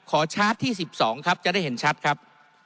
ขอชาร์จที่สิบสองครับจะได้เห็นชัดครับ